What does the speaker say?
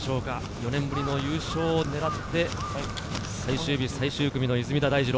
４年ぶりの優勝を狙って、最終日・最終組の出水田大二郎。